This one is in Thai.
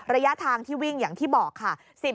ระยะทางที่วิ่งอย่างที่บอกค่ะ